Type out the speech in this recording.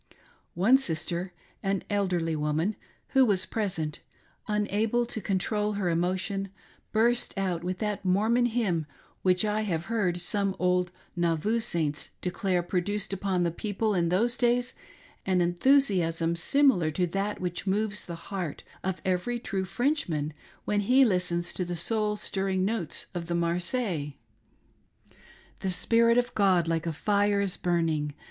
One sister — an elderly woman — who was present, unable to control her emo tion, burst out with that Mormon hymn which I have heard some old Nauvoo Saints declare produced upon the people in those days an enthusiasm similar to that which moves the heart of every true Frenchman when he listens to the soul stirring notes of the Marseillaise : The Spirit of God like a fire is burning